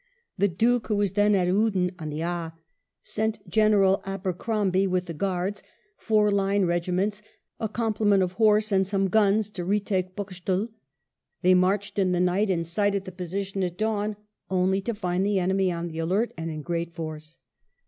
The Duke, who was then WELLINGTON at Uden on the Aa, sent General Abercrombie with the Guards, four Line regiments, a complement of horse, and some guns, to retake BoxteL They marched in the nighty and sighted the position at dawn only to find the enemy on the alert and in great force.